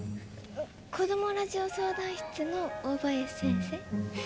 子どもラジオ相談室の大林先生？